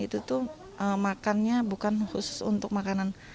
filosofinya itu makanan itu tuh makannya bukan khusus untuk makanan